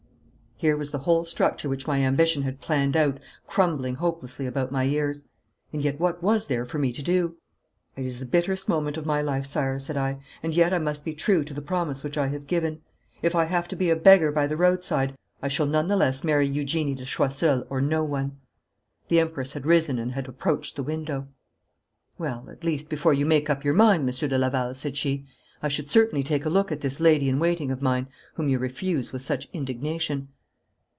Here was the whole structure which my ambition had planned out crumbling hopelessly about my ears. And yet what was there for me to do? 'It is the bitterest moment of my life, sire,' said I, 'and yet I must be true to the promise which I have given. If I have to be a beggar by the roadside, I shall none the less marry Eugenie de Choiseul or no one.' The Empress had risen and had approached the window. 'Well, at least, before you make up your mind, Monsieur de Laval,' said she, 'I should certainly take a look at this lady in waiting of mine, whom you refuse with such indignation.'